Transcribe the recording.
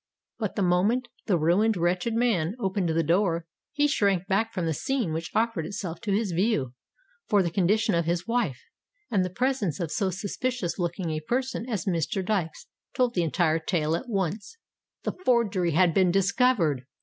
But the moment the ruined, wretched man opened the door, he shrank back from the scene which offered itself to his view; for the condition of his wife, and the presence of so suspicions looking a person as Mr. Dykes told the entire tale at once—the forgery had been discovered!